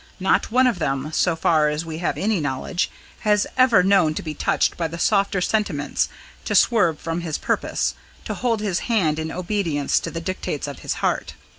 Not one of them so far as we have any knowledge was ever known to be touched by the softer sentiments, to swerve from his purpose, or hold his hand in obedience to the dictates of his heart.